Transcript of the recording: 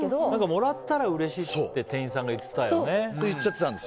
もらったらうれしいって店員さんが言ってたよね。